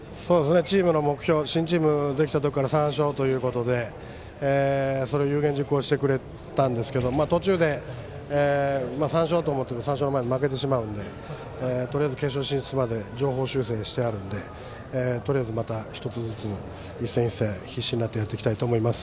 チームの目標、新チームができたときから３勝ということでそれを有言実行してくれたんですけど途中で３勝と思ってたら３勝までに負けてしまうのでとりあえず、決勝進出まで上方修正してあるので１つずつ、一戦一戦必死になってやっていきたいと思います。